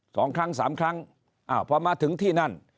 สองครั้งสามครั้งอ้าวพอมาถึงที่นั่น